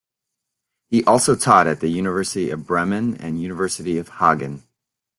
He also taught at the University of Bremen and University of Hagen.